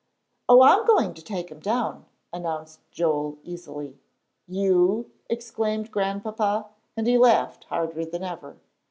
"Oh, I'm going to take him down," announced Joel, easily. "You!" exclaimed Grandpapa, and he laughed harder than ever.